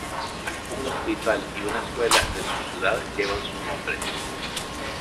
Un hospital y una escuela de su ciudad llevan su nombre.